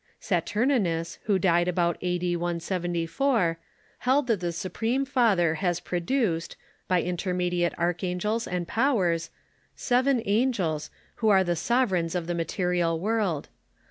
Satnrninus, who died about a.d. 174, held that the supreme Fatlier has produced, by intermediate archangels and powers, seven angels, who are the sovereigns of the material rJSi!r.* world.